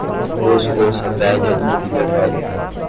Uso louça velha e mobília velha.